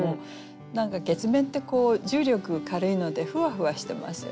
何か月面って重力軽いのでふわふわしてますよね。